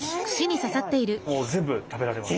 もう全部食べられます。